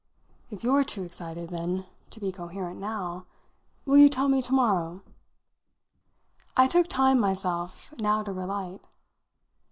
"If you're too excited, then, to be coherent now, will you tell me to morrow?" I took time myself now to relight.